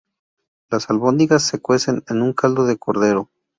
Las albóndigas se cuecen en un caldo de cordero.